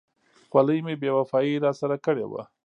خولۍ مې بې وفایي را سره کړې وه.